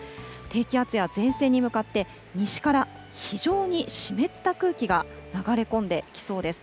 低気圧や前線に向かって西から非常に湿った空気が流れ込んできそうです。